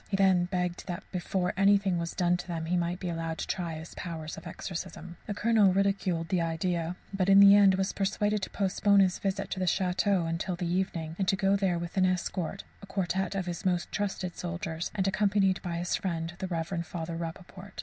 He then begged that before anything was done to them he might be allowed to try his powers of exorcism. The Colonel ridiculed the idea, but in the end was persuaded to postpone his visit to the château till the evening, and to go there with an escort, a quartette of his most trusted soldiers, and accompanied by his friend the Rev. Father Rappaport.